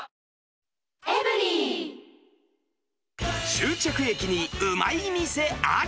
終着駅にウマい店あり。